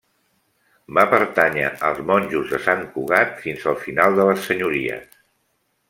Va pertànyer als monjos de Sant Cugat fins al final de les senyories.